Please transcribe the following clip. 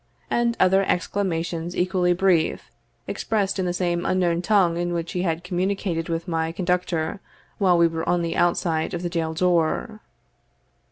and other exclamations equally brief, expressed in the same unknown tongue in which he had communicated with my conductor while we were on the outside of the jail door.